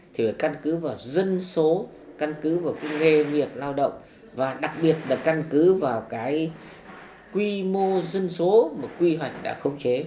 thì phải căn cứ vào dân số căn cứ vào cái nghề nghiệp lao động và đặc biệt là căn cứ vào cái quy mô dân số mà quy hoạch đã khống chế